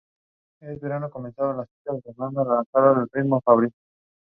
The name translates to "Hedgehog".